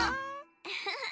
ウフフッ。